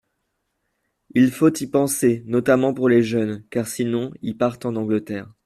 Il faut y penser notamment pour les jeunes, car sinon ils partent en Angleterre.